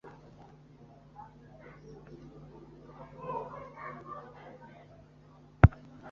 salu mwene meshulamu mwene hodaviya mwene hasenuwa